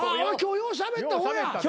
今日ようしゃべった方や。